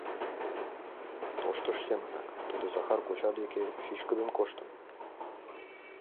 Тоштыж семынак, тудо Захар коча деке чӱчкыдын коштын.